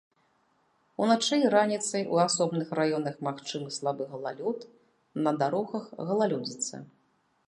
Уначы і раніцай у асобных раёнах магчымы слабы галалёд, на дарогах галалёдзіца.